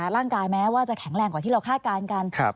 ร่างกายแม้ว่าจะแข็งแรงกว่าที่เราคาดการณ์กัน